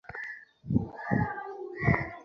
আমার নাম Emmanuel Rajkumar junior.